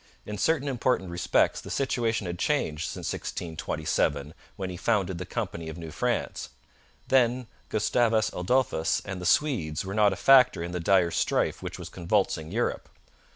In certain important respects the situation had changed since 1627, when he founded the Company of New France. Then Gustavus Adolphus and the Swedes were not a factor in the dire strife which was convulsing Europe.